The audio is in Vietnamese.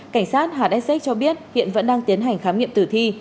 cảnh sát hat sx cho biết hiện vẫn đang tiến hành khám nghiệm tử thi